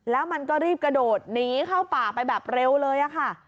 แล้วมันก็รีบกระโดดหนีเข้าป่าไปแบบเร็วเลยค่ะ